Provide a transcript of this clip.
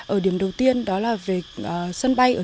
ở điểm đầu tiên đó là về sân bay ở điện biên